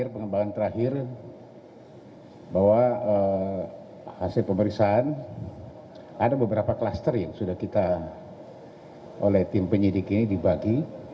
pengembangan terakhir bahwa hasil pemeriksaan ada beberapa klaster yang sudah kita oleh tim penyidik ini dibagi